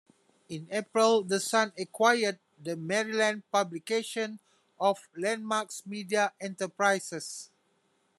In April, the Sun acquired the Maryland publications of Landmark Media Enterprises.